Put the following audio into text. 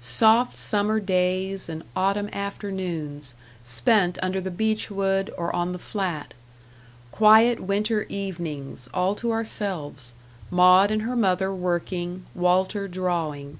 Soft summer days and autumn afternoons, spent under the beech wood, or on the Flat. Quiet winter evenings, all to ourselves Maud and her mother working, Walter drawing.